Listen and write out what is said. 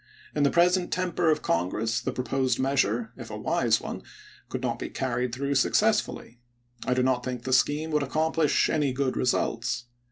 In the present temper of Congress the proposed measure, if a wise one, could not be carried through successfully ; I do not think the scheme could accomplish any good results.